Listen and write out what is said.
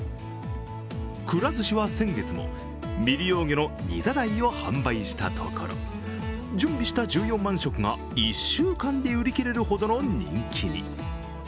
くら寿司は先月も未利用魚のニザダイを販売したところ準備した１４万食が１週間で売り切れるほどの人気に。